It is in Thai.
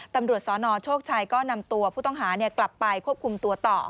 ตำรวจสนโชคชัยก็นำตัวผู้ต้องหากลับไปควบคุมตัวต่อ